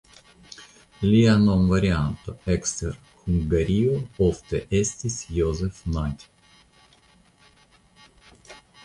Lia nomvarianto ekster Hungario ofte estis "Joseph Nadj".